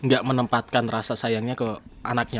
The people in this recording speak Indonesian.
gak menempatkan rasa sayangnya ke anaknya